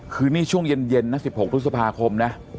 คืนนี่ช่วงเย็นเย็นนะสิบหกพฤษภาคมนะ